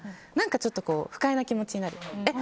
ちょっと不快な気持ちになる。